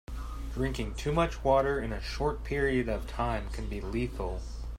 Drinking too much water in a short period of time can be lethal.